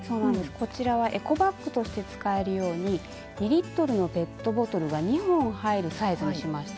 こちらはエコバッグとして使えるように２リットルのペットボトルが２本入るサイズにしました。